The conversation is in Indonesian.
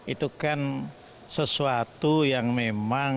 itu kan sesuatu yang memang